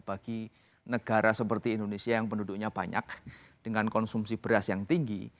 bagi negara seperti indonesia yang penduduknya banyak dengan konsumsi beras yang tinggi